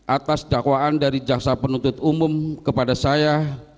atas dakwaan dari jaksa penuntut umum kepada saya